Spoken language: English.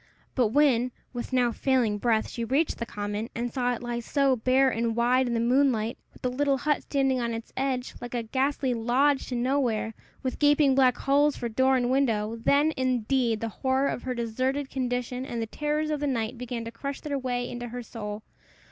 But when, with now failing breath, she reached the common, and saw it lie so bare and wide in the moonlight, with the little hut standing on its edge, like a ghastly lodge to nowhere, with gaping black holes for door and window, then, indeed, the horror of her deserted condition and the terrors of the night began to crush their way into her soul.